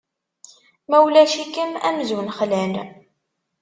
Ma ulac-ikem, amzun xlan.